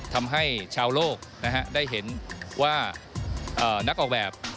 ทำให้ชาวโลกได้เห็นว่านักออกแบบ